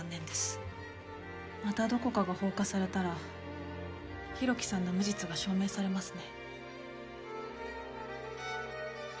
またどこかが放火されたら浩喜さんの無実が証明されますね。